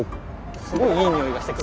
すごいいいにおいがしてくる。